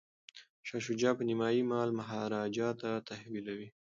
شاه شجاع به نیمایي مال مهاراجا ته تحویلوي.